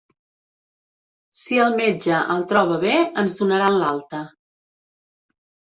Si el metge el troba bé ens donaran l'alta.